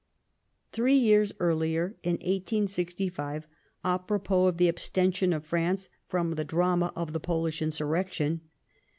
Three years earher, in 1865, a propos of the abstention of France from the drama of the PoHsh insurrection.